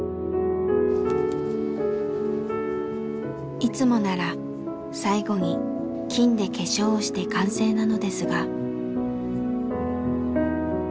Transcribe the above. いつもなら最後に金で化粧をして完成なのですが。